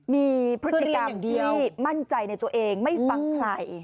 มีพฤติกรรมที่มั่นใจในตัวเองไม่ฟังใคร